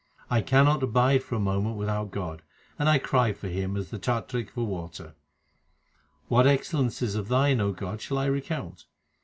I cannot abide for a moment without God, and I cry for Him as the chatrik for water. What excellences of Thine, O God, shall I recount